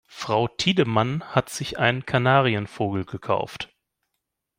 Frau Tiedemann hat sich einen Kanarienvogel gekauft.